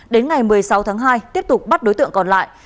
đến ngày một mươi sáu tháng hai tiếp tục bắt đối tượng còn lại